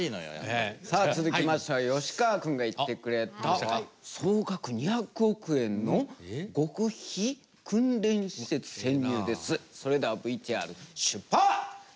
続きましては吉川君が行ってくれた総額２００億円の極秘訓練施設潜入です。